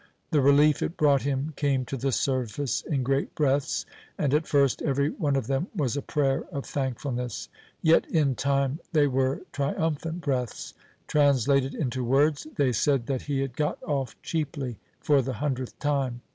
The relief it brought him came to the surface in great breaths, and at first every one of them was a prayer of thankfulness. Yet in time they were triumphant breaths. Translated into words, they said that he had got off cheaply for the hundredth time.